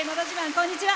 こんにちは。